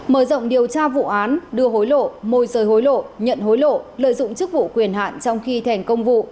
mở rộng điều tra vụ án đưa hối lộ môi rời hối lộ nhận hối lộ lợi dụng chức vụ quyền hạn trong khi thành công vụ